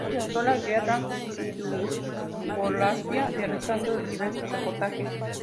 Presenció la Guerra de Yugoslavia, realizando diversos reportajes.